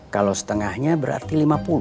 kalau setengahnya berarti lima puluh